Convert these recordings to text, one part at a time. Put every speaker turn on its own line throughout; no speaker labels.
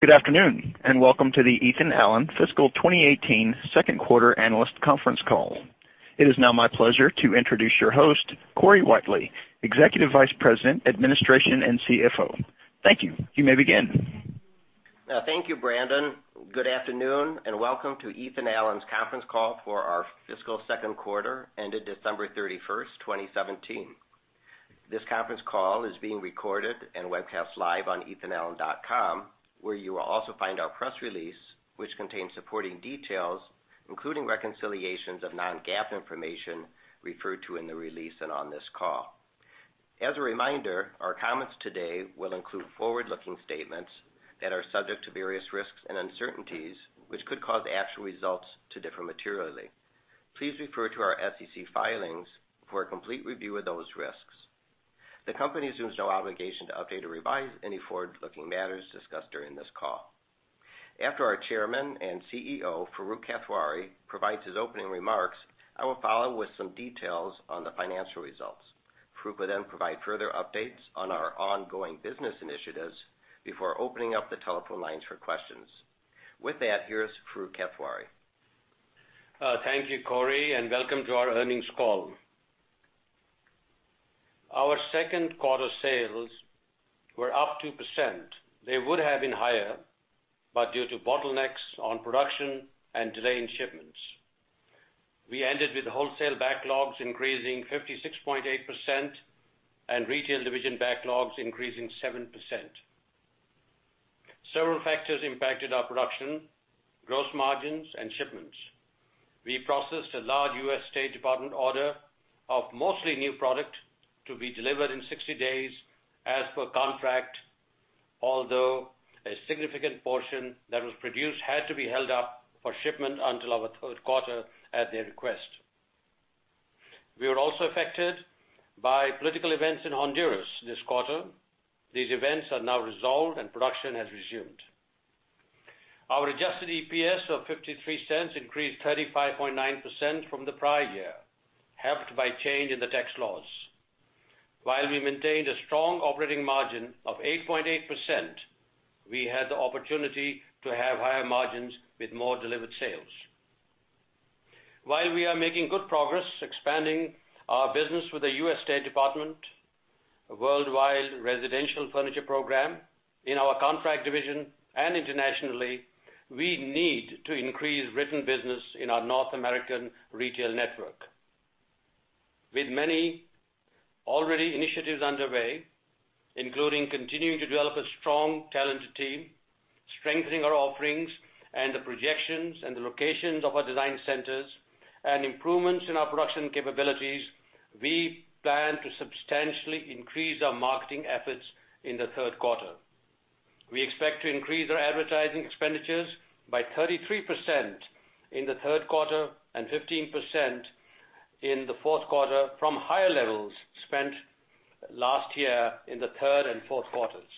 Good afternoon, and welcome to the Ethan Allen fiscal 2018 second quarter analyst conference call. It is now my pleasure to introduce your host, Corey Whitely, Executive Vice President, Administration and CFO. Thank you. You may begin.
Thank you, Brandon. Good afternoon, and welcome to Ethan Allen's conference call for our fiscal second quarter ended December 31st, 2017. This conference call is being recorded and webcast live on ethanallen.com, where you will also find our press release, which contains supporting details, including reconciliations of non-GAAP information referred to in the release and on this call. As a reminder, our comments today will include forward-looking statements that are subject to various risks and uncertainties, which could cause actual results to differ materially. Please refer to our SEC filings for a complete review of those risks. The company assumes no obligation to update or revise any forward-looking matters discussed during this call. After our Chairman and CEO, Farooq Kathwari, provides his opening remarks, I will follow with some details on the financial results. Farooq will then provide further updates on our ongoing business initiatives before opening up the telephone lines for questions. With that, here's Farooq Kathwari.
Thank you, Corey, and welcome to our earnings call. Our second quarter sales were up 2%. They would have been higher, but due to bottlenecks on production and delay in shipments. We ended with wholesale backlogs increasing 56.8% and retail division backlogs increasing 7%. Several factors impacted our production, gross margins, and shipments. We processed a large U.S. State Department order of mostly new product to be delivered in 60 days as per contract, although a significant portion that was produced had to be held up for shipment until our third quarter at their request. We were also affected by political events in Honduras this quarter. These events are now resolved and production has resumed. Our adjusted EPS of $0.53 increased 35.9% from the prior year, helped by change in the tax laws. While we maintained a strong operating margin of 8.8%, we had the opportunity to have higher margins with more delivered sales. While we are making good progress expanding our business with the U.S. State Department, a worldwide residential furniture program in our contract division and internationally, we need to increase written business in our North American retail network. With many initiatives already underway, including continuing to develop a strong, talented team, strengthening our offerings and the projections and the locations of our design centers, and improvements in our production capabilities, we plan to substantially increase our marketing efforts in the third quarter. We expect to increase our advertising expenditures by 33% in the third quarter and 15% in the fourth quarter from higher levels spent last year in the third and fourth quarters.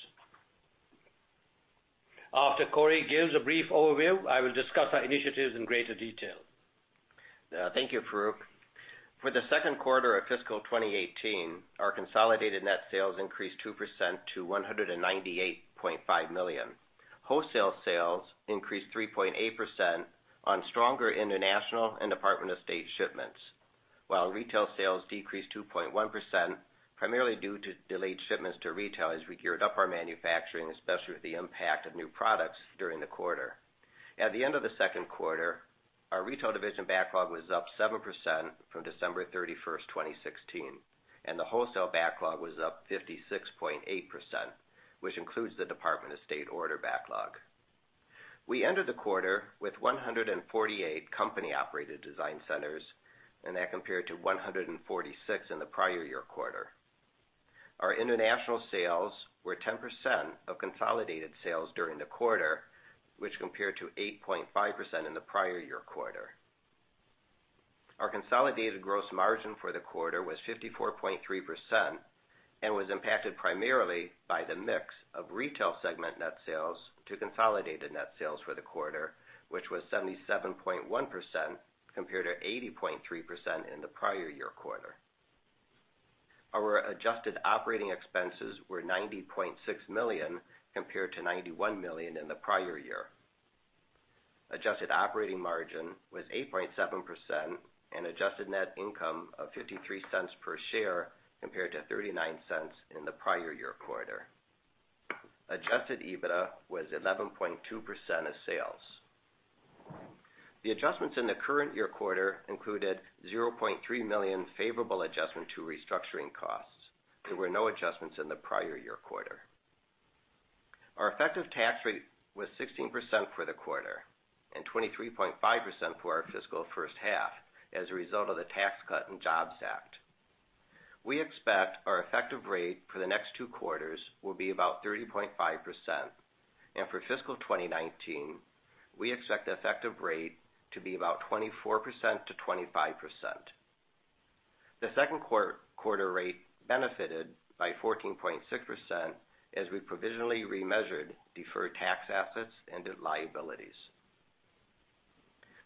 After Corey gives a brief overview, I will discuss our initiatives in greater detail.
Thank you, Farooq. For the second quarter of fiscal 2018, our consolidated net sales increased 2% to $198.5 million. Wholesale sales increased 3.8% on stronger international and U.S. State Department shipments, while retail sales decreased 2.1%, primarily due to delayed shipments to retail as we geared up our manufacturing, especially with the impact of new products during the quarter. At the end of the second quarter, our retail division backlog was up 7% from December 31st, 2016, and the wholesale backlog was up 56.8%, which includes the U.S. State Department order backlog. We ended the quarter with 148 company-operated design centers, and that compared to 146 in the prior year quarter. Our international sales were 10% of consolidated sales during the quarter, which compared to 8.5% in the prior year quarter. Our consolidated gross margin for the quarter was 54.3% and was impacted primarily by the mix of retail segment net sales to consolidated net sales for the quarter, which was 77.1%, compared to 80.3% in the prior year quarter. Our adjusted operating expenses were $90.6 million, compared to $91 million in the prior year. Adjusted operating margin was 8.7%, and adjusted net income of $0.53 per share compared to $0.39 in the prior year quarter. Adjusted EBITDA was 11.2% of sales. The adjustments in the current year quarter included $0.3 million favorable adjustment to restructuring costs. There were no adjustments in the prior year quarter. Our effective tax rate was 16% for the quarter and 23.5% for our fiscal first half as a result of the Tax Cuts and Jobs Act. We expect our effective rate for the next two quarters will be about 30.5%, and for fiscal 2019, we expect the effective rate to be about 24%-25%. The second quarter rate benefited by 14.6% as we provisionally remeasured deferred tax assets and liabilities.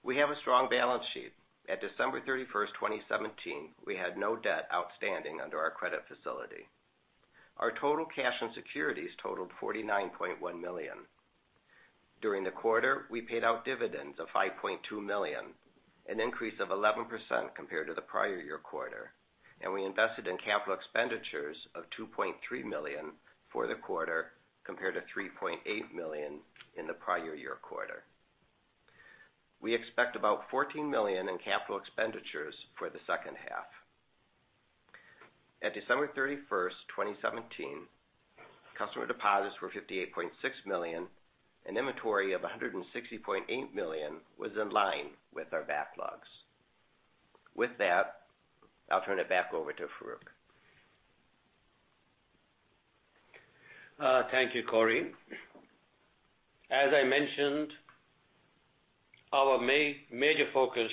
We have a strong balance sheet. At December 31st, 2017, we had no debt outstanding under our credit facility. Our total cash and securities totaled $49.1 million. During the quarter, we paid out dividends of $5.2 million, an increase of 11% compared to the prior year quarter, and we invested in capital expenditures of $2.3 million for the quarter, compared to $3.8 million in the prior year quarter. We expect about $14 million in capital expenditures for the second half. At December 31st, 2017, customer deposits were $58.6 million, and inventory of $160.8 million was in line with our backlogs. With that, I'll turn it back over to Farooq.
Thank you, Corey. As I mentioned, our major focus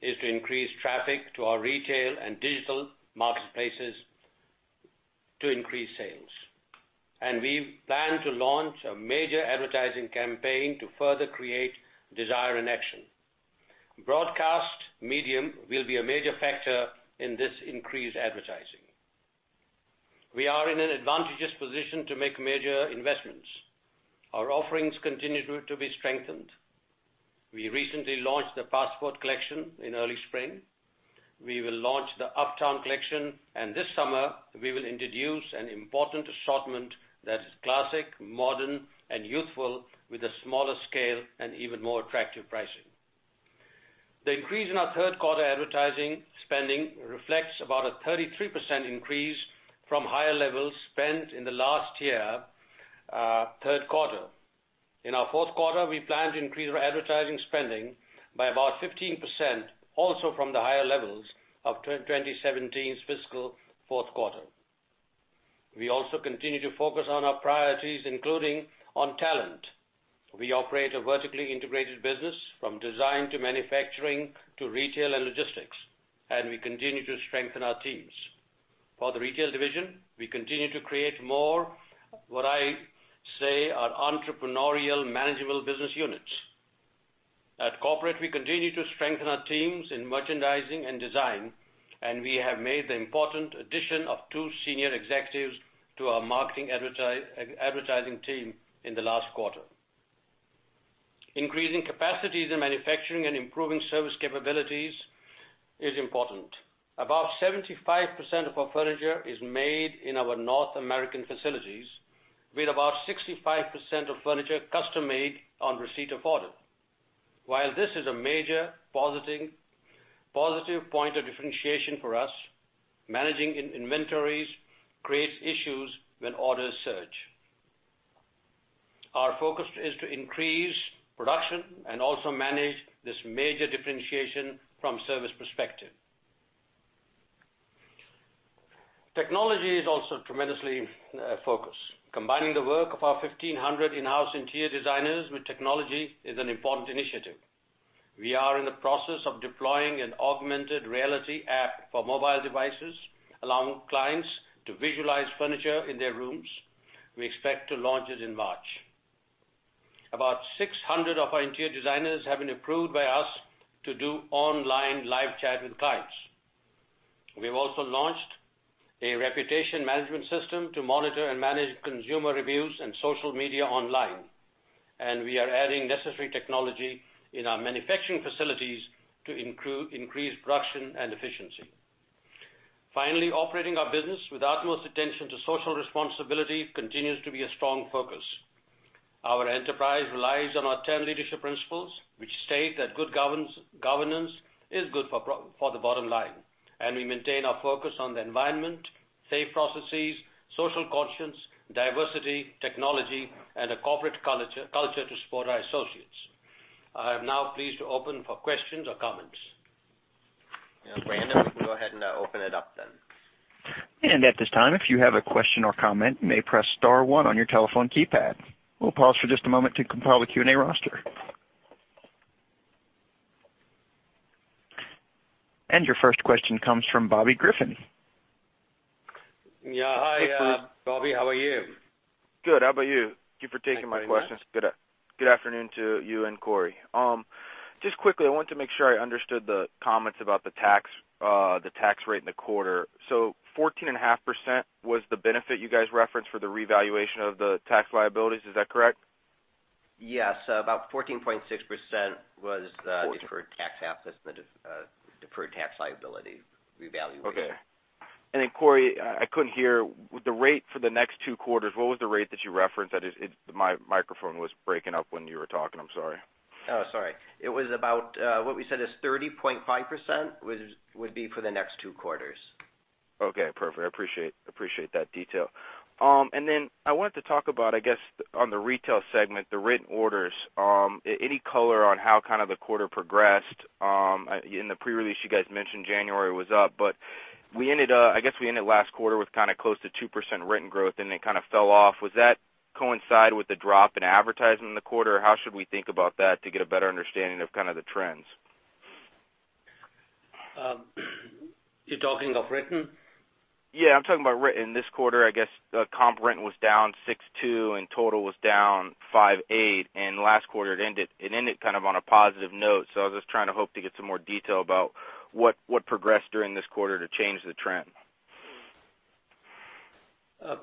is to increase traffic to our retail and digital marketplaces to increase sales, we plan to launch a major advertising campaign to further create desire and action. Broadcast medium will be a major factor in this increased advertising. We are in an advantageous position to make major investments. Our offerings continue to be strengthened. We recently launched the Passport collection in early spring. We will launch the Uptown collection, and this summer we will introduce an important assortment that is classic, modern, and youthful, with a smaller scale and even more attractive pricing. The increase in our third quarter advertising spending reflects about a 33% increase from higher levels spent in the last year, third quarter. In our fourth quarter, we plan to increase our advertising spending by about 15%, also from the higher levels of 2017's fiscal fourth quarter. We also continue to focus on our priorities, including on talent. We operate a vertically integrated business from design to manufacturing to retail and logistics, we continue to strengthen our teams. For the retail division, we continue to create more, what I say, are entrepreneurial manageable business units. At corporate, we continue to strengthen our teams in merchandising and design, we have made the important addition of two senior executives to our marketing advertising team in the last quarter. Increasing capacities in manufacturing and improving service capabilities is important. About 75% of our furniture is made in our North American facilities, with about 65% of furniture custom-made on receipt of order. While this is a major positive point of differentiation for us, managing inventories creates issues when orders surge. Our focus is to increase production and also manage this major differentiation from service perspective. Technology is also tremendously focused. Combining the work of our 1,500 in-house interior designers with technology is an important initiative. We are in the process of deploying an augmented reality app for mobile devices, allowing clients to visualize furniture in their rooms. We expect to launch it in March. About 600 of our interior designers have been approved by us to do online live chat with clients. We've also launched a reputation management system to monitor and manage consumer reviews and social media online, we are adding necessary technology in our manufacturing facilities to increase production and efficiency. Finally, operating our business with utmost attention to social responsibility continues to be a strong focus. Our enterprise relies on our 10 leadership principles, which state that good governance is good for the bottom line. We maintain our focus on the environment, safe processes, social conscience, diversity, technology, and a corporate culture to support our associates. I am now pleased to open for questions or comments.
Yeah, Brandon, we can go ahead and open it up then.
At this time, if you have a question or comment, you may press star one on your telephone keypad. We'll pause for just a moment to compile the Q&A roster. Your first question comes from Bobby Griffin.
Yeah. Hi, Bobby. How are you?
Good. How about you? Thank you for taking my questions.
Thank you very much.
Good afternoon to you and Corey. Just quickly, I wanted to make sure I understood the comments about the tax rate in the quarter. 14.5% was the benefit you guys referenced for the revaluation of the tax liabilities, is that correct?
Yes. About 14.6% was.
Fourteen
deferred tax liability revaluation.
Okay. Corey, I couldn't hear the rate for the next two quarters. What was the rate that you referenced? My microphone was breaking up when you were talking. I'm sorry.
Oh, sorry. It was about, what we said is 30.5% would be for the next two quarters.
Okay, perfect. I appreciate that detail. I wanted to talk about, I guess, on the retail segment, the written orders. Any color on how the quarter progressed? In the pre-release you guys mentioned January was up, but I guess we ended last quarter with close to 2% written growth and it kind of fell off. Was that coincide with the drop in advertising in the quarter, or how should we think about that to get a better understanding of the trends?
You're talking of written?
Yeah, I'm talking about written this quarter. I guess comp written was down 6.2% and total was down 5.8%, and last quarter it ended kind of on a positive note. I was just trying to hope to get some more detail about what progressed during this quarter to change the trend.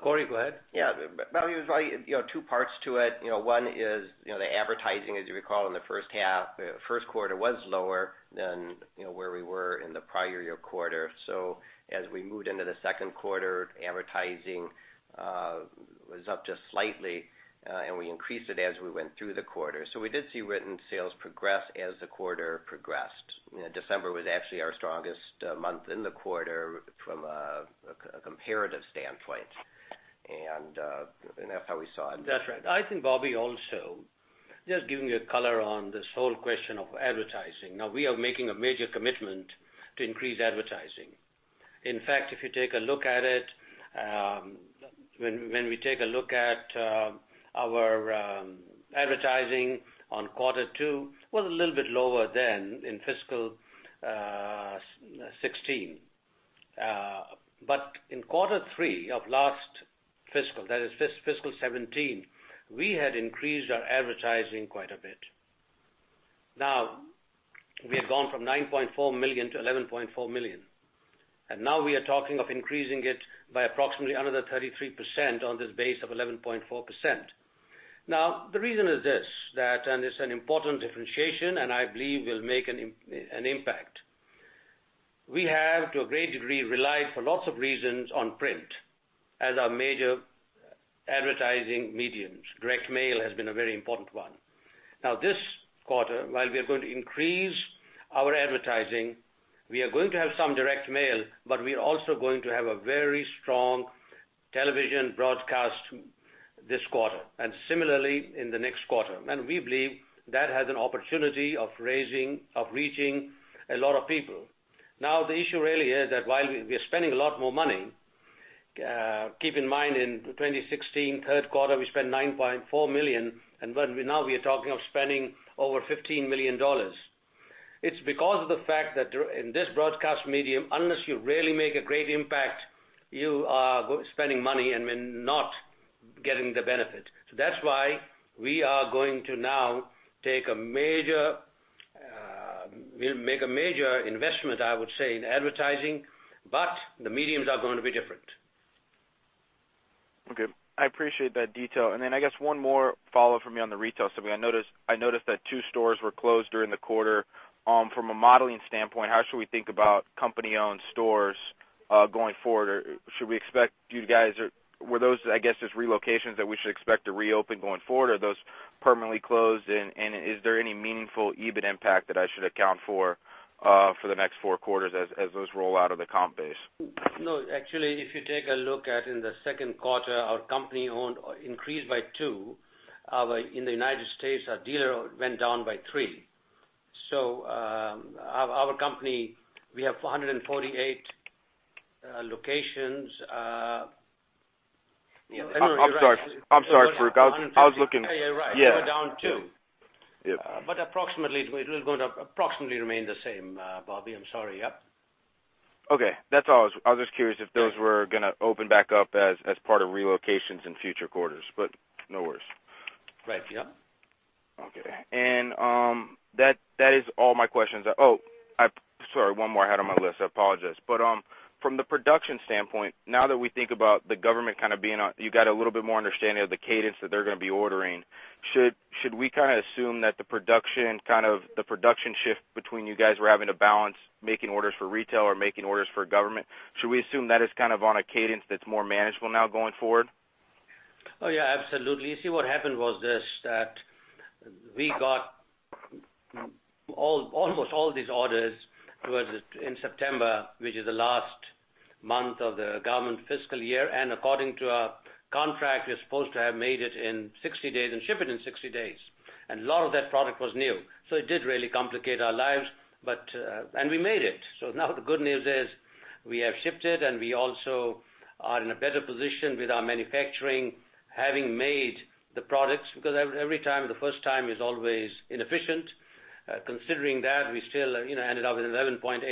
Corey, go ahead.
Yeah. Bobby, there's two parts to it. One is the advertising, as you recall, in the first half, first quarter was lower than where we were in the prior year quarter. As we moved into the second quarter, advertising was up just slightly, and we increased it as we went through the quarter. We did see written sales progress as the quarter progressed. December was actually our strongest month in the quarter from a comparative standpoint. That's how we saw it.
That's right. I think, Bobby, also, just giving you a color on this whole question of advertising. We are making a major commitment to increase advertising. In fact, if you take a look at it, when we take a look at our advertising on quarter two, was a little bit lower than in fiscal 2016. In quarter three of last fiscal, that is fiscal 2017, we had increased our advertising quite a bit. We have gone from $9.4 million to $11.4 million, and now we are talking of increasing it by approximately another 33% on this base of $11.4 million. The reason is this, and it's an important differentiation, and I believe will make an impact. We have, to a great degree, relied for lots of reasons on print as our major advertising mediums. Direct mail has been a very important one. This quarter, while we are going to increase our advertising, we are going to have some direct mail, but we are also going to have a very strong television broadcast this quarter, and similarly in the next quarter. We believe that has an opportunity of reaching a lot of people. The issue really is that while we are spending a lot more money, keep in mind in 2016, third quarter, we spent $9.4 million, and now we are talking of spending over $15 million. It's because of the fact that in this broadcast medium, unless you really make a great impact, you are spending money and not getting the benefit. That's why we are going to now make a major investment, I would say, in advertising, but the mediums are going to be different.
Okay. I appreciate that detail. I guess one more follow-up for me on the retail. I noticed that two stores were closed during the quarter. From a modeling standpoint, how should we think about company-owned stores, going forward? Or were those, I guess, just relocations that we should expect to reopen going forward? Are those permanently closed? Is there any meaningful EBIT impact that I should account for the next four quarters as those roll out of the comp base?
Actually, if you take a look at in the second quarter, our company owned increased by two. In the U.S., our dealer went down by three. Our company, we have 148 locations.
I'm sorry, Farooq. I was looking.
Yeah, right. We were down two.
Yep.
It will approximately remain the same, Bobby. I'm sorry. Yep.
Okay. That's all. I was just curious if those were going to open back up as part of relocations in future quarters. No worries.
Right. Yeah.
That is all my questions. Sorry, one more I had on my list. I apologize. From the production standpoint, now that we think about the government, you got a little bit more understanding of the cadence that they're going to be ordering. Should we assume that the production shift between you guys were having to balance making orders for retail or making orders for government? Should we assume that is on a cadence that's more manageable now going forward?
Yeah. Absolutely. What happened was this, that we got almost all these orders towards in September, which is the last month of the government fiscal year. According to our contract, we're supposed to have made it in 60 days and ship it in 60 days. A lot of that product was new. It did really complicate our lives, and we made it. Now the good news is we have shipped it, and we also are in a better position with our manufacturing, having made the products, because every time, the first time is always inefficient. Considering that, we still ended up with 11.8%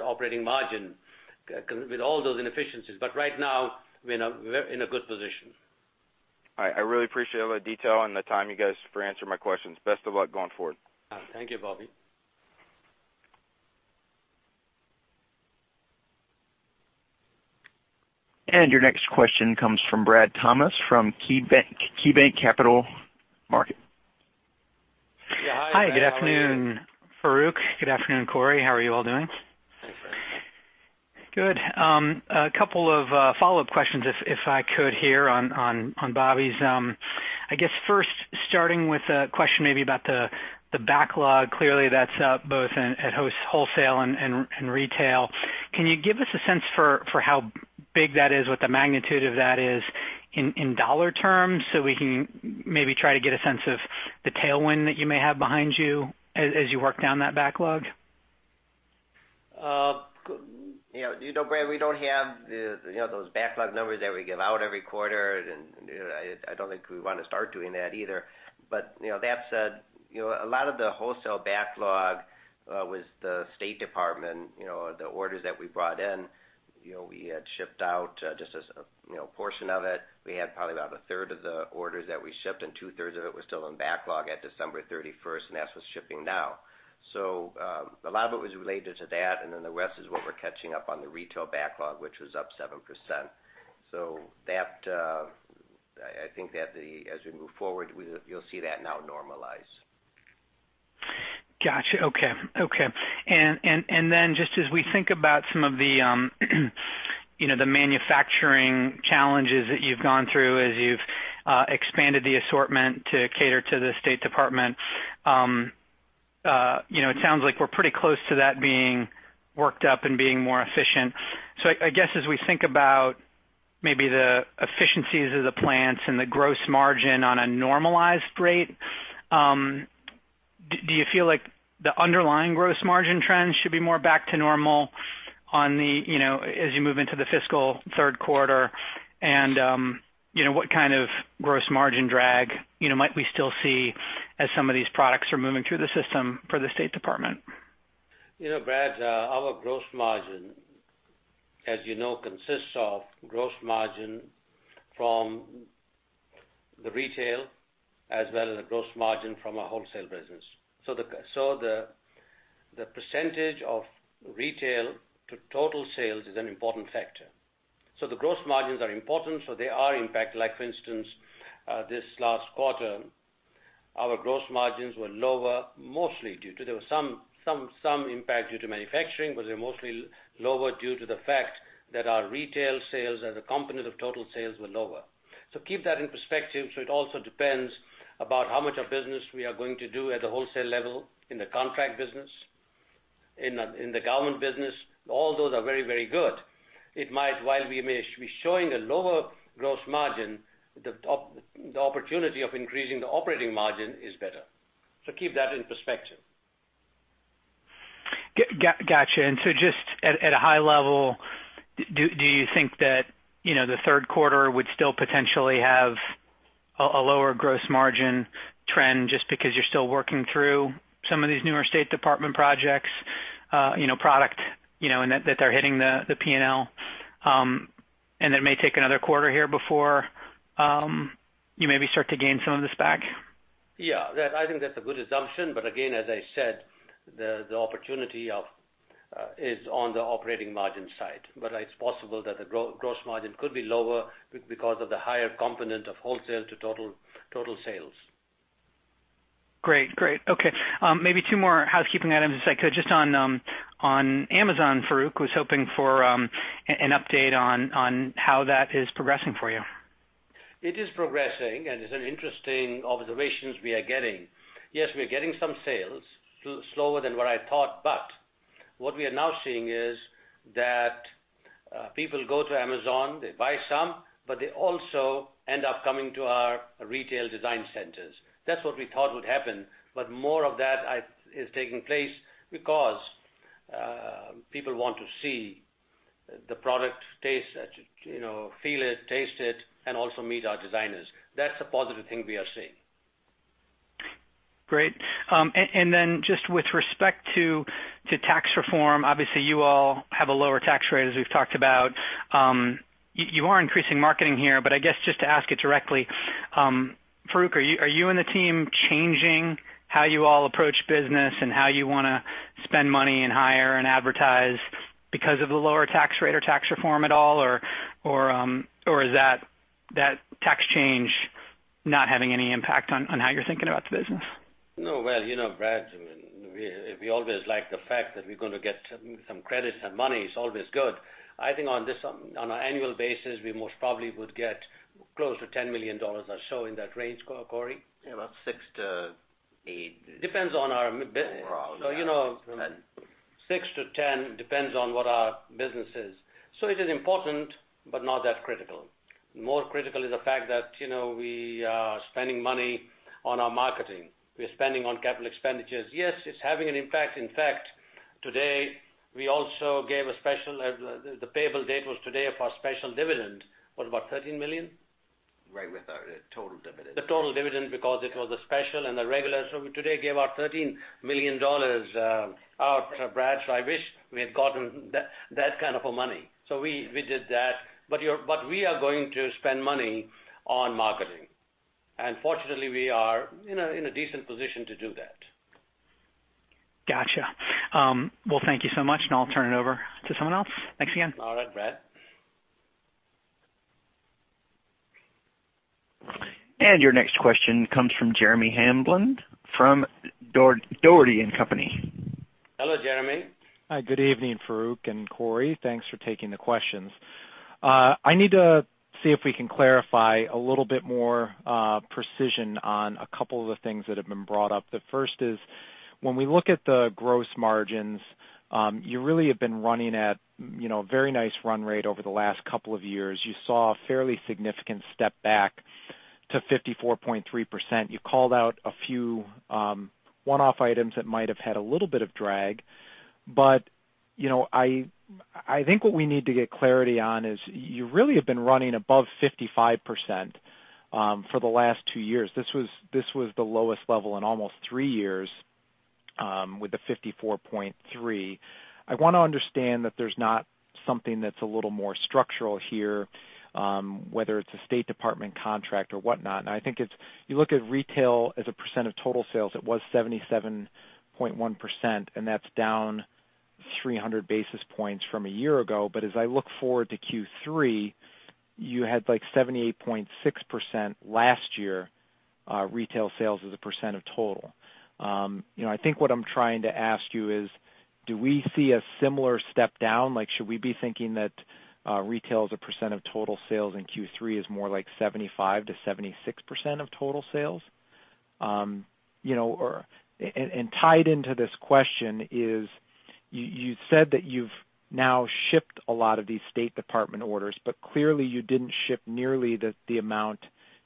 operating margin with all those inefficiencies. Right now, we're in a good position.
All right. I really appreciate all the detail and the time, you guys, for answering my questions. Best of luck going forward.
Thank you, Bobby.
Your next question comes from Brad Thomas from KeyBanc Capital Markets.
Yeah. Hi.
Hi, how are you?
Good afternoon, Farooq. Good afternoon, Corey. How are you all doing?
Thanks, Brad.
Good. A couple of follow-up questions, if I could here on Bobby's. I guess first starting with a question maybe about the backlog. Clearly, that's up both at wholesale and retail. Can you give us a sense for how big that is, what the magnitude of that is in dollar terms so we can maybe try to get a sense of the tailwind that you may have behind you as you work down that backlog?
Brad, we don't have those backlog numbers that we give out every quarter, and I don't think we want to start doing that either. That said, a lot of the wholesale backlog was the US State Department, the orders that we brought in. We had shipped out just a portion of it. We had probably about a third of the orders that we shipped, and two-thirds of it was still in backlog at December 31st, and that's what's shipping now. A lot of it was related to that, and then the rest is what we're catching up on the retail backlog, which was up 7%. I think that as we move forward, you'll see that now normalize.
Got you. Okay. Just as we think about some of the manufacturing challenges that you've gone through as you've expanded the assortment to cater to the State Department. It sounds like we're pretty close to that being worked up and being more efficient. I guess as we think about maybe the efficiencies of the plants and the gross margin on a normalized rate, do you feel like the underlying gross margin trends should be more back to normal as you move into the fiscal third quarter? What kind of gross margin drag might we still see as some of these products are moving through the system for the State Department?
Brad, our gross margin, as you know, consists of gross margin from the retail as well as the gross margin from our wholesale business. The percentage of retail to total sales is an important factor. The gross margins are important, so they are impact. Like for instance, this last quarter, our gross margins were lower, mostly due to, there was some impact due to manufacturing, but they're mostly lower due to the fact that our retail sales as a component of total sales were lower. Keep that in perspective. It also depends about how much of business we are going to do at the wholesale level in the contract business, in the government business. All those are very, very good. While we may be showing a lower gross margin, the opportunity of increasing the operating margin is better. Keep that in perspective.
Got you. Just at a high level, do you think that the third quarter would still potentially have a lower gross margin trend just because you're still working through some of these newer State Department projects, product, and that they're hitting the P&L, and it may take another quarter here before you maybe start to gain some of this back?
Yeah, I think that's a good assumption. Again, as I said, the opportunity is on the operating margin side. It's possible that the gross margin could be lower because of the higher component of wholesale to total sales.
Great. Okay. Maybe two more housekeeping items, if I could. Just on Amazon, Farooq, was hoping for an update on how that is progressing for you.
It is progressing, and there's an interesting observations we are getting. Yes, we are getting some sales, slower than what I thought, but what we are now seeing is that people go to Amazon, they buy some, but they also end up coming to our retail design centers. That's what we thought would happen. More of that is taking place because people want to see the product, feel it, taste it, and also meet our designers. That's a positive thing we are seeing.
Great. Then just with respect to tax reform, obviously you all have a lower tax rate, as we've talked about. You are increasing marketing here, but I guess just to ask it directly, Farooq, are you and the team changing how you all approach business and how you want to spend money and hire and advertise because of the lower tax rate or tax reform at all, or is that tax change not having any impact on how you're thinking about the business?
No, well, Brad, we always like the fact that we're going to get some credits, some money. It's always good. I think on an annual basis, we most probably would get close to $10 million or so in that range. Corey?
Yeah, about six to eight.
Depends on our-
Around 10.
Six to 10, depends on what our business is. It is important, but not that critical. More critical is the fact that we are spending money on our marketing. We are spending on capital expenditures. Yes, it's having an impact. In fact, today, we also gave a special, the payable date was today of our special dividend, what, about $13 million?
Right, with the total dividend.
The total dividend, because it was a special and a regular. Today gave out $13 million. Brad, I wish we had gotten that kind of money. We did that. We are going to spend money on marketing. Fortunately, we are in a decent position to do that.
Got you. Well, thank you so much, and I'll turn it over to someone else. Thanks again.
All right, Brad.
Your next question comes from Jeremy Hamblin from Dougherty & Company.
Hello, Jeremy.
Hi, good evening, Farooq and Corey. Thanks for taking the questions. I need to see if we can clarify a little bit more precision on a couple of the things that have been brought up. The first is, when we look at the gross margins, you really have been running at a very nice run rate over the last couple of years. You saw a fairly significant step back to 54.3%. You called out a few one-off items that might have had a little bit of drag. I think what we need to get clarity on is you really have been running above 55% for the last two years. This was the lowest level in almost three years with the 54.3%. I want to understand that there's not something that's a little more structural here, whether it's a State Department contract or whatnot. I think it's, you look at retail as a percent of total sales, it was 77.1%, and that's down 300 basis points from a year ago. As I look forward to Q3, you had like 78.6% last year, retail sales as a percent of total. I think what I'm trying to ask you is, do we see a similar step down? Should we be thinking that retail as a percent of total sales in Q3 is more like 75%-76% of total sales? Tied into this question is, you said that you've now shipped a lot of these State Department orders, but clearly you didn't ship nearly the amount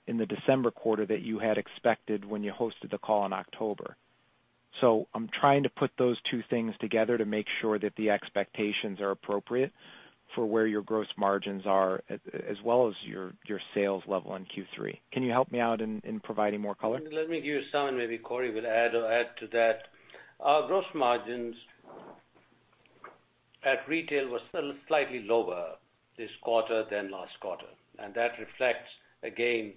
in the December quarter that you had expected when you hosted the call in October. I'm trying to put those two things together to make sure that the expectations are appropriate for where your gross margins are, as well as your sales level in Q3. Can you help me out in providing more color?
Let me give you some, and maybe Corey will add to that. Our gross margins at retail were still slightly lower this quarter than last quarter. That reflects, again,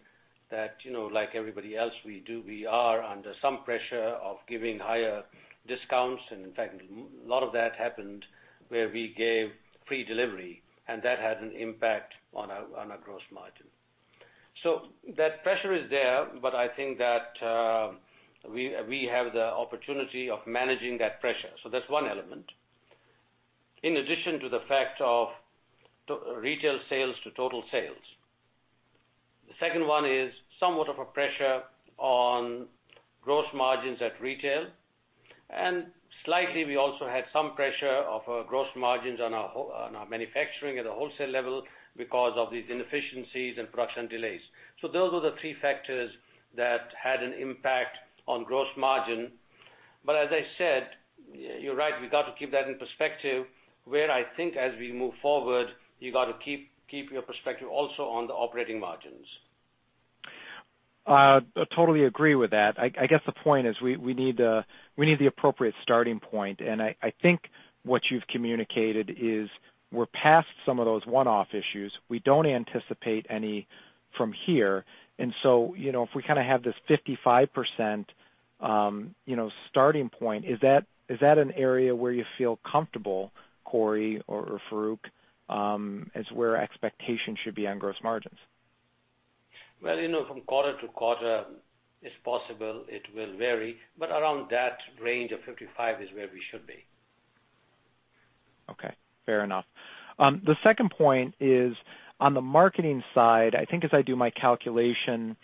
that like everybody else we are under some pressure of giving higher discounts. In fact, a lot of that happened where we gave free delivery, and that had an impact on our gross margin. That pressure is there, but I think that we have the opportunity of managing that pressure. That's one element. In addition to the fact of retail sales to total sales. The second one is somewhat of a pressure on gross margins at retail, and slightly, we also had some pressure of our gross margins on our manufacturing at the wholesale level because of these inefficiencies and production delays. Those are the three factors that had an impact on gross margin. As I said, you're right, we've got to keep that in perspective, where I think as we move forward, you got to keep your perspective also on the operating margins.
I totally agree with that. I guess the point is we need the appropriate starting point, and I think what you've communicated is we're past some of those one-off issues. We don't anticipate any from here. If we kind of have this 55% starting point, is that an area where you feel comfortable, Corey or Farooq, is where expectations should be on gross margins?
Well, from quarter to quarter, it's possible it will vary, but around that range of 55 is where we should be.
Okay, fair enough. The second point is on the marketing side, I think as I do my calculation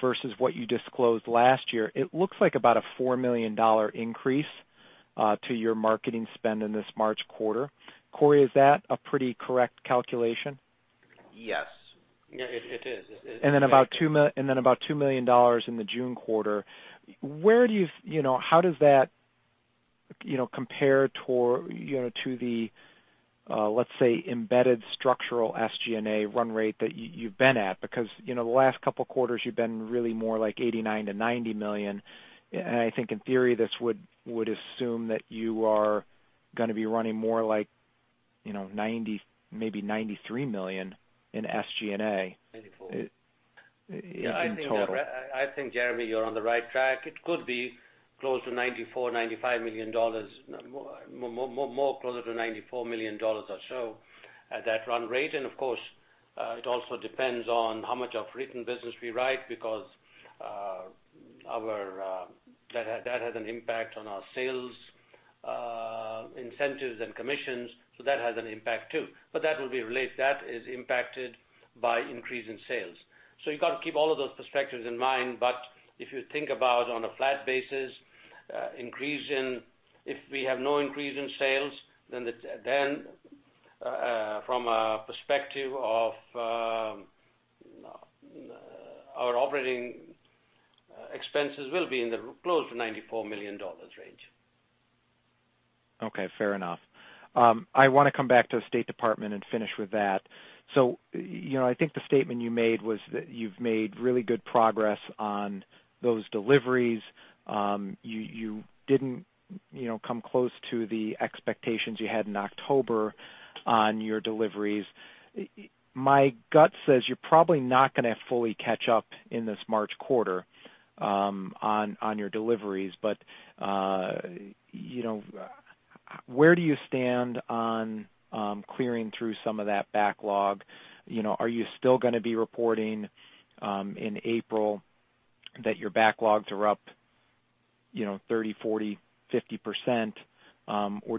versus what you disclosed last year, it looks like about a $4 million increase to your marketing spend in this March quarter. Corey, is that a pretty correct calculation?
Yes. It is.
Then about $2 million in the June quarter. How does that compare to the, let's say, embedded structural SG&A run rate that you've been at? Because the last couple of quarters, you've been really more like $89 million-$90 million. I think in theory, this would assume that you are going to be running more like maybe $93 million in SG&A-
Ninety-four
in total.
I think, Jeremy, you're on the right track. It could be close to $94 million, $95 million, more closer to $94 million or so at that run rate. Of course, it also depends on how much of written business we write because that has an impact on our sales incentives and commissions. That has an impact too. That will be related. That is impacted by increase in sales. You got to keep all of those perspectives in mind. If you think about on a flat basis, if we have no increase in sales, then from a perspective of our operating expenses will be in the close to $94 million range.
Okay, fair enough. I want to come back to the State Department and finish with that. I think the statement you made was that you've made really good progress on those deliveries. You didn't come close to the expectations you had in October on your deliveries. My gut says you're probably not going to fully catch up in this March quarter on your deliveries. Where do you stand on clearing through some of that backlog? Are you still going to be reporting in April that your backlogs are up 30%, 40%, 50%?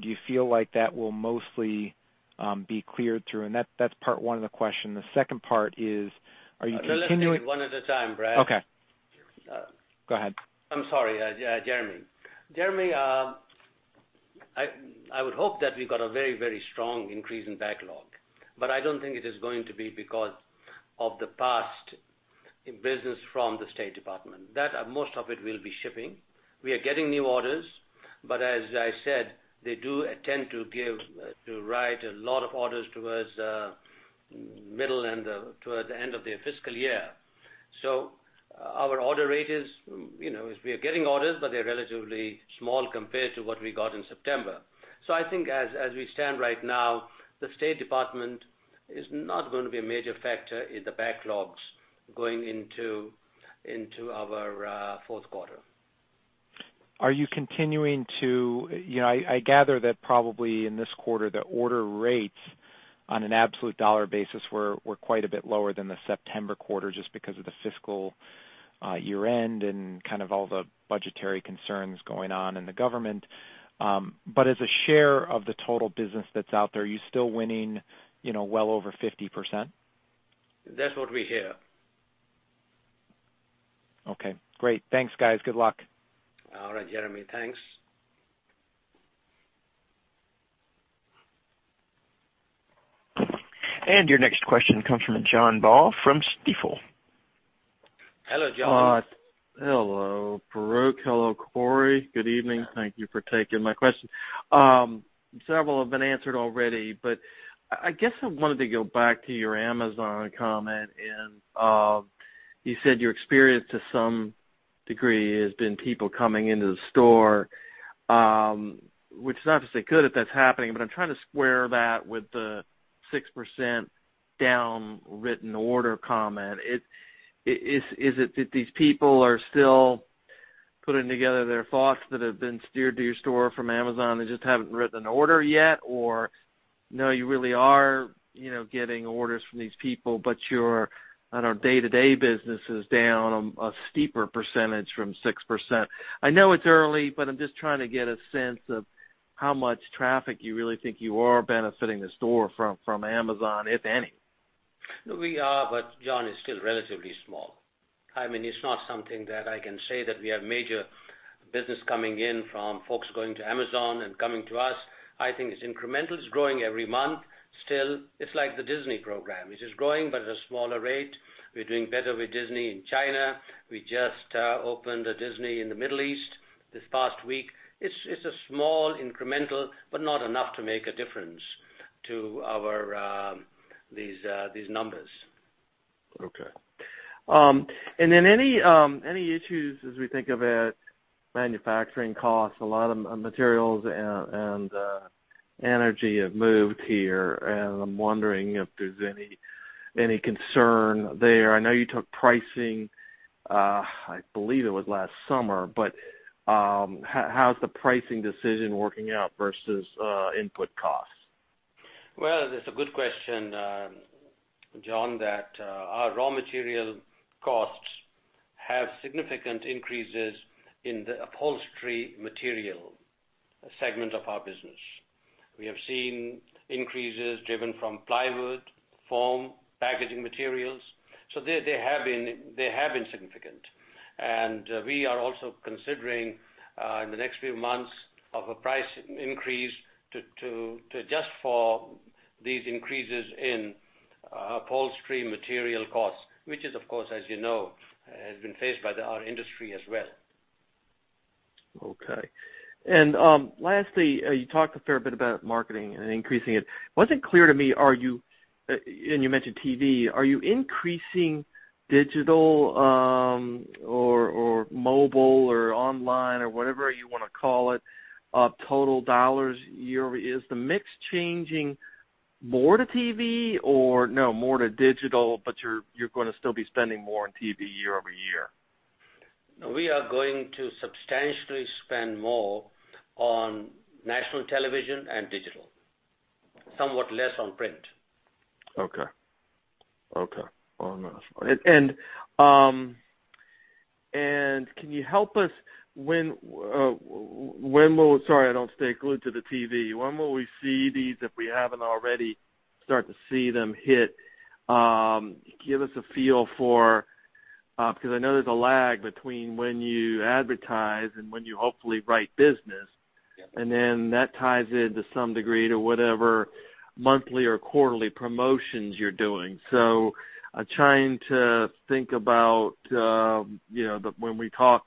Do you feel like that will mostly be cleared through? That's part one of the question. The second part is, are you continuing-
Let me do it one at a time, Brad.
Okay. Go ahead.
I'm sorry, Jeremy. Jeremy I would hope that we got a very, very strong increase in backlog, but I don't think it is going to be because of the past business from the State Department. Most of it will be shipping. We are getting new orders, but as I said, they do tend to write a lot of orders towards the middle and toward the end of their fiscal year. Our order rate is, we are getting orders, but they're relatively small compared to what we got in September. I think as we stand right now, the State Department is not going to be a major factor in the backlogs going into our fourth quarter.
I gather that probably in this quarter, the order rates on an absolute dollar basis were quite a bit lower than the September quarter just because of the fiscal year-end and kind of all the budgetary concerns going on in the government. As a share of the total business that's out there, are you still winning well over 50%?
That's what we hear.
Okay, great. Thanks, guys. Good luck.
All right, Jeremy. Thanks.
Your next question comes from John Baugh from Stifel.
Hello, John.
Hello, Farooq. Hello, Corey. Good evening. Thank you for taking my question. Several have been answered already. I wanted to go back to your Amazon comment. You said your experience to some degree has been people coming into the store, which is not to say could if that's happening, but I'm trying to square that with the 6% down written order comment. Is it that these people are still putting together their thoughts that have been steered to your store from Amazon, they just haven't written an order yet? Or, no, you really are getting orders from these people, but your day-to-day business is down a steeper percentage from 6%? I know it's early, but I'm just trying to get a sense of how much traffic you really think you are benefiting the store from Amazon, if any.
No, we are. John, it's still relatively small. It's not something that I can say that we have major business coming in from folks going to Amazon and coming to us. I think it's incremental. It's growing every month. Still, it's like the Disney program. It is growing, but at a smaller rate. We're doing better with Disney in China. We just opened a Disney in the Middle East this past week. It's a small incremental, but not enough to make a difference to these numbers.
Okay. Any issues as we think about manufacturing costs, a lot of materials and energy have moved here, and I'm wondering if there's any concern there. I know you took pricing, I believe it was last summer, but how's the pricing decision working out versus input costs?
That's a good question, John. Our raw material costs have significant increases in the upholstery material segment of our business. We have seen increases driven from plywood, foam, packaging materials. They have been significant. We are also considering, in the next few months, of a price increase to adjust for these increases in upholstery material costs, which is, of course, as you know, has been faced by our industry as well.
Okay. Lastly, you talked a fair bit about marketing and increasing it. It wasn't clear to me, you mentioned TV, are you increasing digital, or mobile or online or whatever you want to call it, total dollars year-over-year? Is the mix changing more to TV? No, more to digital, but you're going to still be spending more on TV year-over-year?
We are going to substantially spend more on national television and digital. Somewhat less on print.
Okay. Can you help us, sorry, I don't stay glued to the TV. When will we see these, if we haven't already started to see them hit? Give us a feel for, because I know there's a lag between when you advertise and when you hopefully write business.
Yep.
Then that ties into some degree to whatever monthly or quarterly promotions you're doing. I'm trying to think about when we talk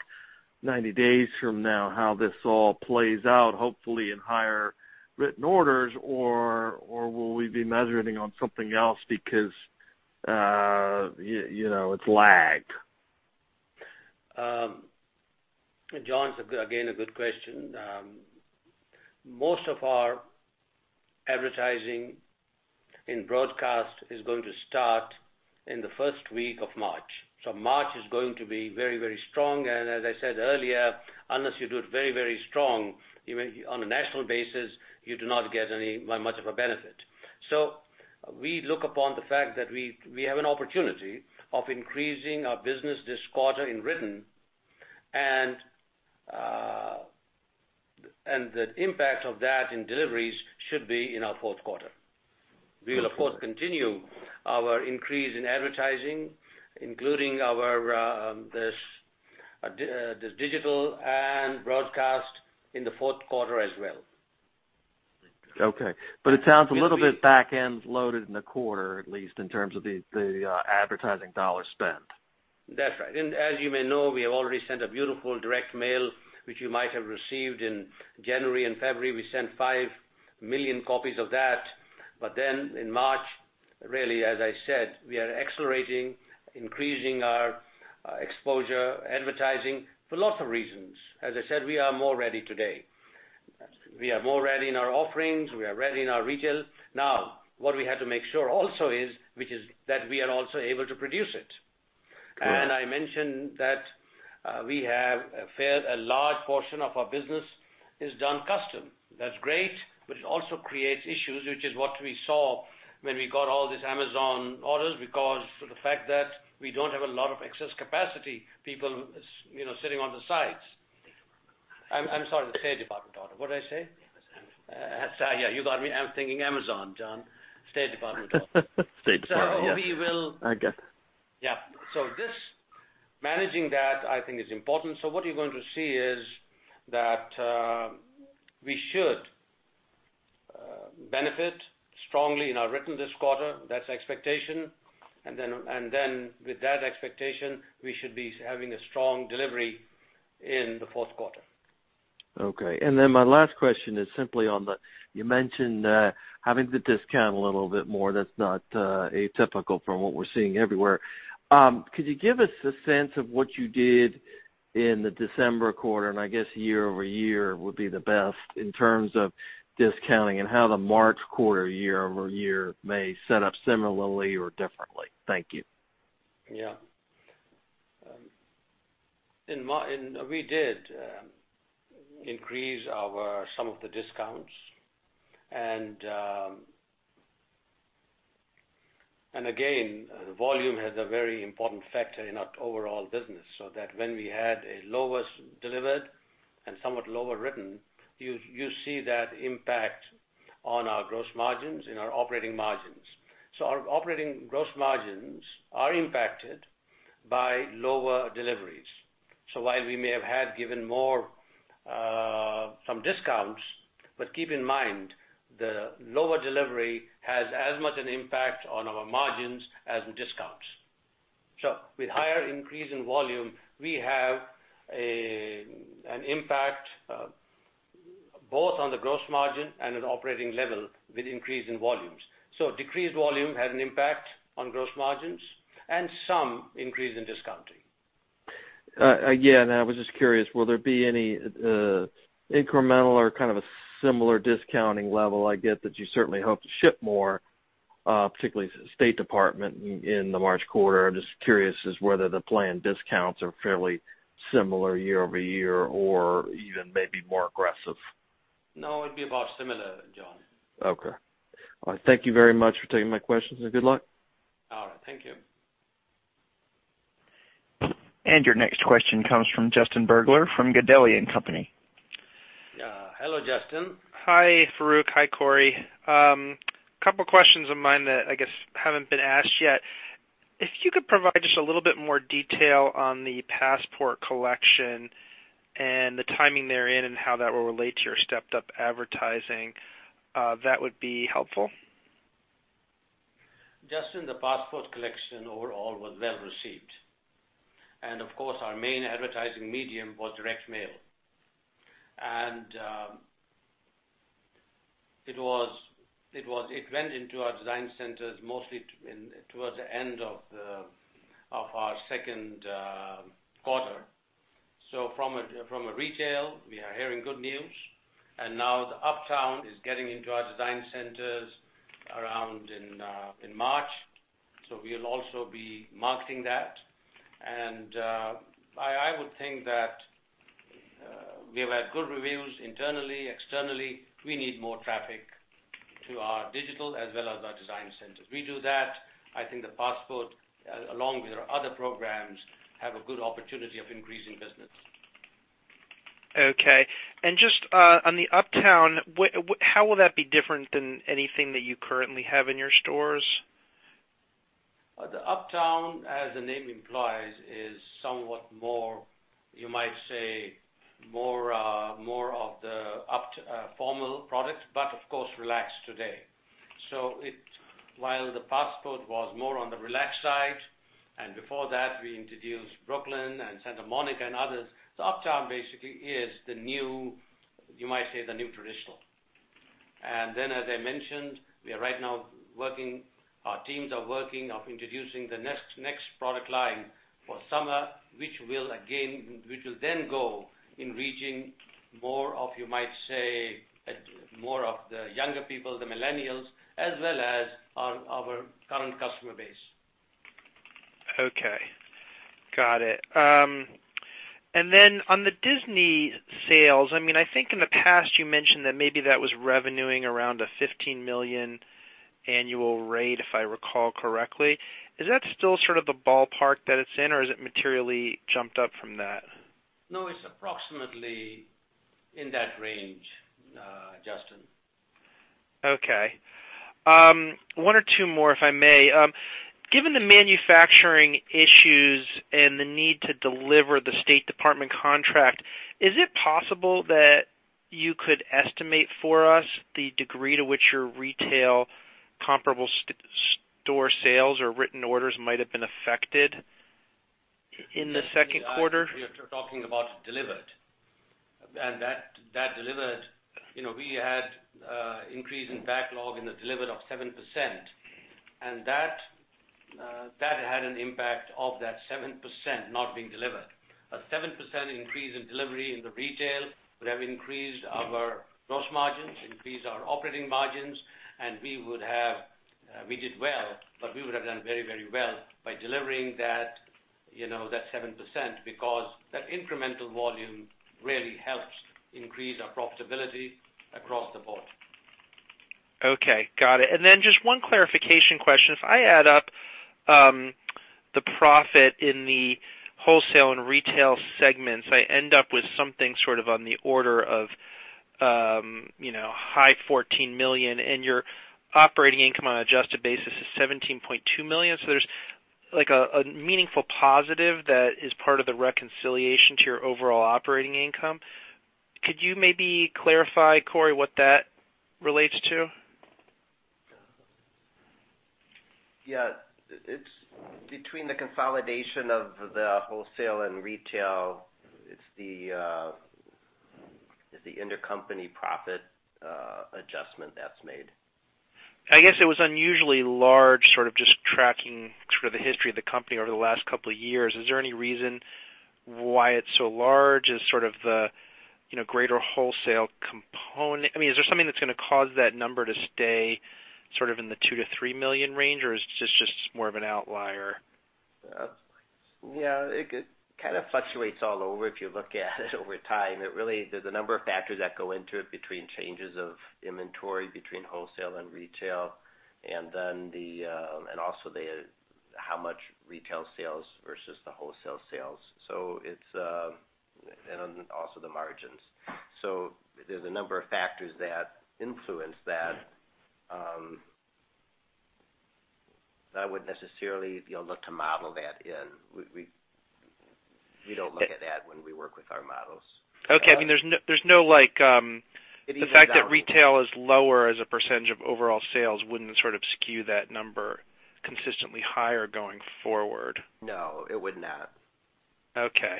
90 days from now, how this all plays out, hopefully in higher written orders or will we be measuring on something else because it's lagged.
John, again, a good question. Most of our advertising in broadcast is going to start in the first week of March. March is going to be very strong, and as I said earlier, unless you do it very strong, even on a national basis, you do not get much of a benefit. We look upon the fact that we have an opportunity of increasing our business this quarter in written and the impact of that in deliveries should be in our fourth quarter. We will, of course, continue our increase in advertising, including this digital and broadcast in the fourth quarter as well.
Okay. It sounds a little bit back-end loaded in the quarter, at least in terms of the advertising dollar spend.
That's right. As you may know, we have already sent a beautiful direct mail, which you might have received in January and February. We sent five million copies of that. In March, really, as I said, we are accelerating, increasing our exposure, advertising for lots of reasons. As I said, we are more ready today. We are more ready in our offerings. We are ready in our retail. Now, what we had to make sure also is, which is that we are also able to produce it.
Correct.
I mentioned that we have a large portion of our business is done custom. That's great, but it also creates issues, which is what we saw when we got all these Amazon orders because of the fact that we don't have a lot of excess capacity, people sitting on the sides. I'm sorry, the State Department order. What'd I say?
Amazon.
Yeah, you got me. I'm thinking Amazon, John. State Department order.
State Department, yes.
So we will-
I get it.
managing that, I think, is important. What you're going to see is that we should benefit strongly in our written this quarter. That's expectation. With that expectation, we should be having a strong delivery in the fourth quarter.
Okay. My last question is simply on the, you mentioned, having the discount a little bit more, that's not atypical from what we're seeing everywhere. Could you give us a sense of what you did in the December quarter, and I guess year-over-year would be the best in terms of discounting, and how the March quarter year-over-year may set up similarly or differently? Thank you.
Yeah. We did increase some of the discounts. Again, volume has a very important factor in our overall business, so that when we had a lowest delivered and somewhat lower written, you see that impact on our gross margins and our operating margins. Our operating gross margins are impacted by lower deliveries. While we may have given more some discounts, but keep in mind, the lower delivery has as much an impact on our margins as discounts. With higher increase in volume, we have an impact both on the gross margin and at operating level with increase in volumes. Decreased volume had an impact on gross margins and some increase in discounting.
I was just curious, will there be any incremental or kind of a similar discounting level? I get that you certainly hope to ship more, particularly State Department in the March quarter. I'm just curious as whether the planned discounts are fairly similar year-over-year or even maybe more aggressive.
No, it'd be about similar, John.
Okay. All right. Thank you very much for taking my questions, good luck.
All right. Thank you.
Your next question comes from Justin Bergler from GAMCO Investors.
Hello, Justin.
Hi, Farooq. Hi, Corey. Couple questions of mine that I guess haven't been asked yet. If you could provide just a little bit more detail on the Passport collection and the timing therein and how that will relate to your stepped-up advertising, that would be helpful.
Justin, the Passport collection overall was well-received. Of course, our main advertising medium was direct mail. It went into our design centers mostly towards the end of our second quarter. From a retail, we are hearing good news. Now the Uptown is getting into our design centers around in March. We'll also be marketing that. I would think that we have had good reviews internally, externally. We need more traffic to our digital as well as the design centers. We do that, I think the Passport, along with our other programs, have a good opportunity of increasing business.
Okay. Just on the Uptown, how will that be different than anything that you currently have in your stores?
The Uptown, as the name implies, is somewhat more, you might say, more of the formal product, but of course, relaxed today. While the Passport was more on the relaxed side, and before that, we introduced Brooklyn and Santa Monica and others, the Uptown basically is the new, you might say, the new traditional. As I mentioned, we are right now working. Our teams are working of introducing the next product line for summer, which will then go in reaching more of, you might say, the younger people, the millennials, as well as our current customer base.
Okay. Got it. On the Disney sales, I think in the past you mentioned that maybe that was revenuing around a $15 million annual rate, if I recall correctly. Is that still sort of the ballpark that it's in, or has it materially jumped up from that?
No, it's approximately in that range, Justin.
Okay. One or two more, if I may. Given the manufacturing issues and the need to deliver the State Department contract, is it possible that you could estimate for us the degree to which your retail comparable store sales or written orders might have been affected in the second quarter?
We are talking about delivered. That delivered, we had increase in backlog in the delivered of 7%, and that had an impact of that 7% not being delivered. A 7% increase in delivery in the retail would have increased our gross margins, increased our operating margins, and we did well, but we would have done very well by delivering that 7%, because that incremental volume really helps increase our profitability across the board.
Okay, got it. Then just one clarification question. If I add up the profit in the wholesale and retail segments, I end up with something on the order of high $14 million, and your operating income on an adjusted basis is $17.2 million. There's a meaningful positive that is part of the reconciliation to your overall operating income. Could you maybe clarify, Corey, what that relates to?
Yeah. It's between the consolidation of the wholesale and retail. It's the intercompany profit adjustment that's made.
I guess it was unusually large, just tracking the history of the company over the last couple of years. Is there any reason why it's so large as the greater wholesale component? Is there something that's going to cause that number to stay in the $2 million-$3 million range, or is this just more of an outlier?
Yeah. It kind of fluctuates all over if you look at it over time. There's a number of factors that go into it between changes of inventory between wholesale and retail, and also how much retail sales versus the wholesale sales. Also the margins. There's a number of factors that influence that. I wouldn't necessarily look to model that in. We don't look at that when we work with our models.
Okay. The fact that retail is lower as a percentage of overall sales wouldn't sort of skew that number consistently higher going forward.
No, it would not.
Okay.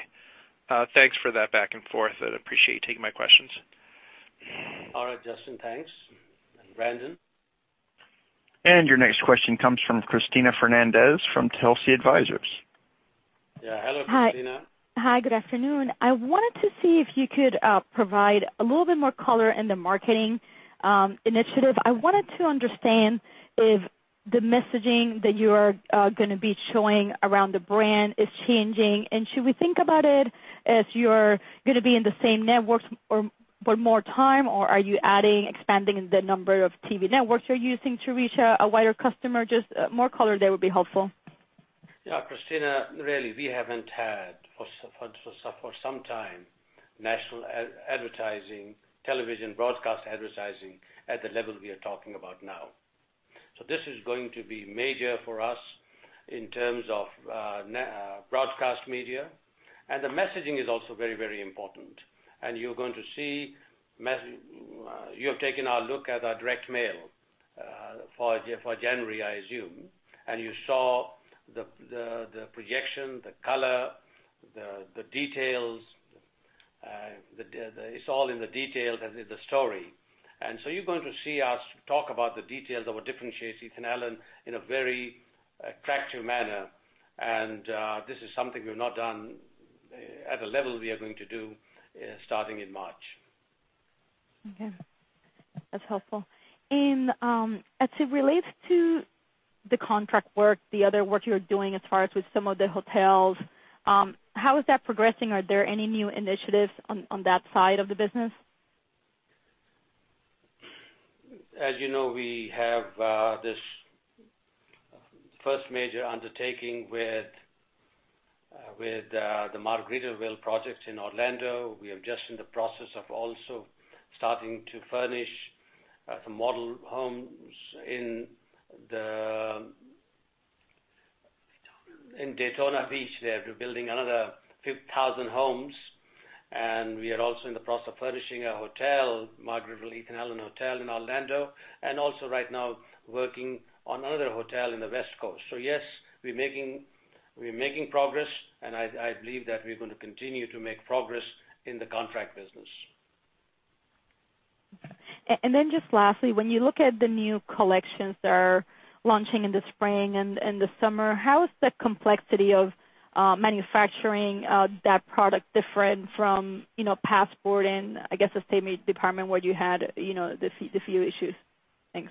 Thanks for that back and forth. I appreciate you taking my questions.
All right, Justin. Thanks. Brandon?
Your next question comes from Cristina Fernández from Telsey Advisors.
Yeah. Hello, Cristina.
Hi. Good afternoon. I wanted to see if you could provide a little bit more color in the marketing initiative. I wanted to understand if the messaging that you are going to be showing around the brand is changing, and should we think about it as you're going to be in the same networks for more time, or are you adding, expanding the number of TV networks you're using to reach a wider customer? Just more color there would be helpful.
Cristina, really, we haven't had, for some time, national advertising, television broadcast advertising, at the level we are talking about now. This is going to be major for us in terms of broadcast media. The messaging is also very important. You're going to see, you have taken a look at our direct mail, for January, I assume. You saw the projection, the color, the details. It's all in the details and in the story. You're going to see us talk about the details that will differentiate Ethan Allen in a very attractive manner. This is something we've not done at the level we are going to do starting in March.
Okay. That's helpful. As it relates to the contract work, the other work you're doing as far as with some of the hotels, how is that progressing? Are there any new initiatives on that side of the business?
As you know, we have this first major undertaking with the Margaritaville project in Orlando. We are just in the process of also starting to furnish some model homes in the
Daytona Beach. They are building another few thousand homes. We are also in the process of furnishing a hotel, Margaritaville Ethan Allen Hotel in Orlando, and also right now working on another hotel in the West Coast. Yes, we're making progress, and I believe that we're going to continue to make progress in the contract business.
Just lastly, when you look at the new collections that are launching in the spring and the summer, how is the complexity of manufacturing that product different from Passport and, I guess, the State Department where you had the few issues? Thanks.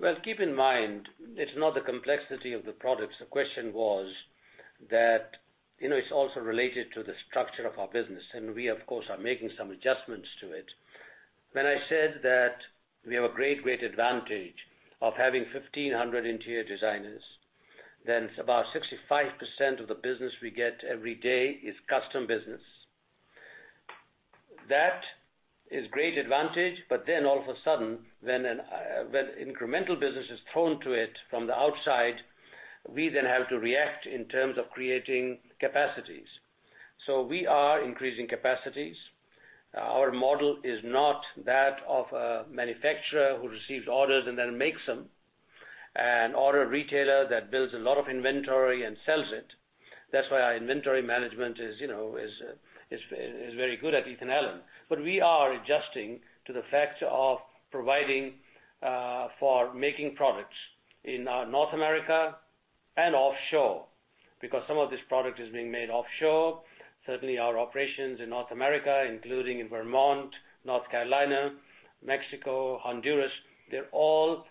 Well, keep in mind, it's not the complexity of the products. The question was that it's also related to the structure of our business. We, of course, are making some adjustments. When I said that we have a great advantage of having 1,500 interior designers, then about 65% of the business we get every day is custom business. That is great advantage, but then all of a sudden, when incremental business is thrown to it from the outside, we then have to react in terms of creating capacities. We are increasing capacities. Our model is not that of a manufacturer who receives orders and then makes them, an order retailer that builds a lot of inventory and sells it. That's why our inventory management is very good at Ethan Allen. We are adjusting to the fact of providing for making products in North America and offshore, because some of this product is being made offshore. Certainly, our operations in North America, including in Vermont, North Carolina, Mexico, Honduras, they're all.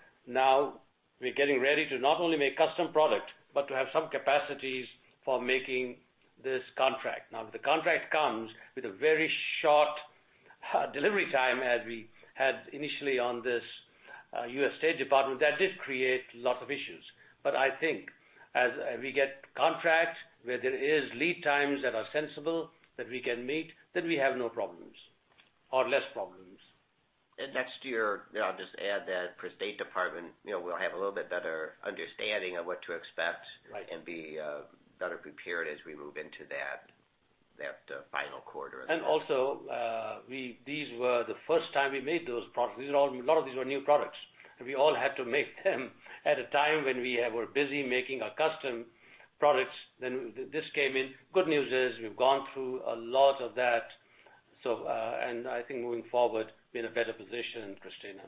We're getting ready to not only make custom product, but to have some capacities for making this contract. Now, the contract comes with a very short delivery time, as we had initially on this U.S. State Department, that did create lot of issues. I think as we get contract where there is lead times that are sensible, that we can meet, then we have no problems, or less problems.
Next year, I'll just add that for State Department, we'll have a little bit better understanding of what to expect.
Right
Be better prepared as we move into that final quarter.
Also, these were the first time we made those products. A lot of these were new products. We all had to make them at a time when we were busy making our custom products. This came in. Good news is we've gone through a lot of that. I think moving forward, be in a better position, Cristina.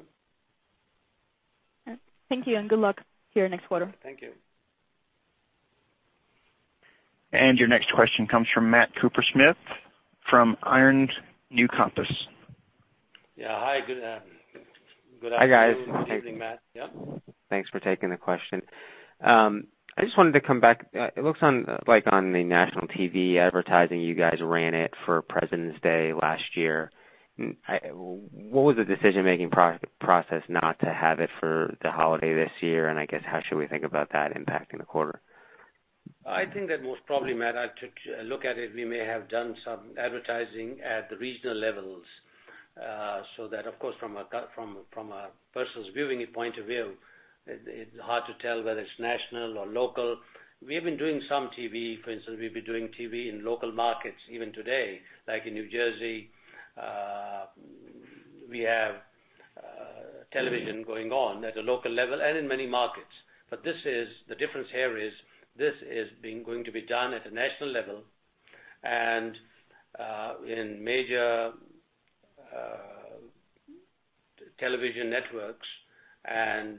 Thank you, and good luck your next quarter.
Thank you.
Your next question comes from Matt Kupersmith, from Iron Compass.
Hi, good afternoon.
Hi, guys.
Good evening, Matt. Yep.
Thanks for taking the question. I just wanted to come back. It looks like on the national TV advertising, you guys ran it for President's Day last year. What was the decision-making process not to have it for the holiday this year, and I guess how should we think about that impacting the quarter?
I think that most probably, Matt, I took a look at it. We may have done some advertising at the regional levels. That, of course, from a personal viewing point of view, it's hard to tell whether it's national or local. We have been doing some TV. For instance, we've been doing TV in local markets even today, like in New Jersey. We have television going on at a local level and in many markets. The difference here is this is gonna be done at a national level and in major television networks. A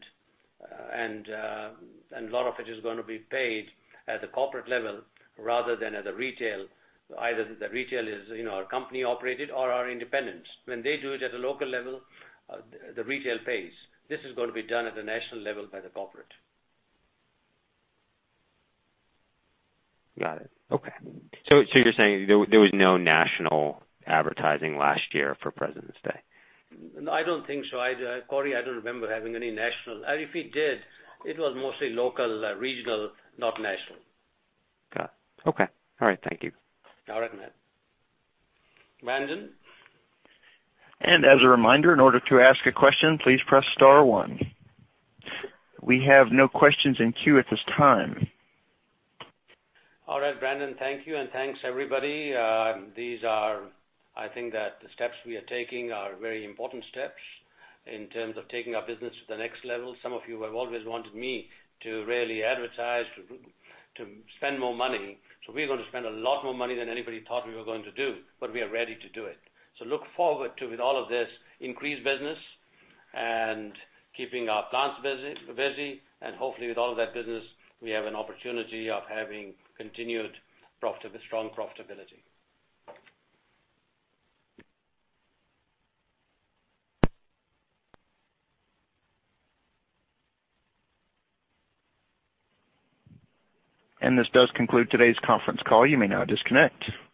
lot of it is gonna be paid at the corporate level rather than at the retail. Either the retail is company operated or are independents. When they do it at a local level, the retail pays. This is gonna be done at a national level by the corporate.
Got it. Okay. You're saying there was no national advertising last year for President's Day?
I don't think so. Corey, I don't remember having any national. If we did, it was mostly local, regional, not national.
Got it. Okay. All right. Thank you.
All right, Matt. Brandon?
As a reminder, in order to ask a question, please press star one. We have no questions in queue at this time.
All right, Brandon. Thank you. Thanks, everybody. I think that the steps we are taking are very important steps in terms of taking our business to the next level. Some of you have always wanted me to really advertise, to spend more money. We're going to spend a lot more money than anybody thought we were going to do, but we are ready to do it. Look forward to, with all of this increased business and keeping our plants busy, and hopefully with all of that business, we have an opportunity of having continued strong profitability.
This does conclude today's conference call. You may now disconnect.